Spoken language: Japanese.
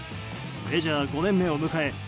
メジャー５年目を迎え